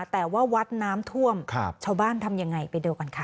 แต่ว่าวัดน้ำท่วมชาวบ้านทำยังไงไปดูกันค่ะ